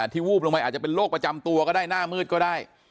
วูบลงไปอาจจะเป็นโรคประจำตัวก็ได้หน้ามืดก็ได้